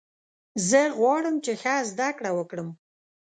زه غواړم چې ښه زده کړه وکړم.